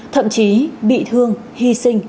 thậm chí bị thương hy sinh